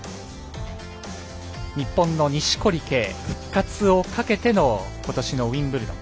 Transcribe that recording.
日本の錦織圭、復活をかけてのことしのウィンブルドン。